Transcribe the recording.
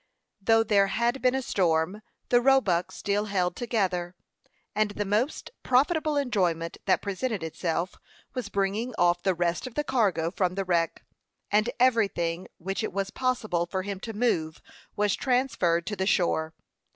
Though there had been a storm, the Roebuck still held together; and the most profitable employment that presented itself was bringing off the rest of the cargo from the wreck; and everything which it was possible for him to move was transferred to the shore.